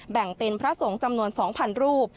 แบ่งเป็นพระสงฆ์จำนวน๒๐๐รูป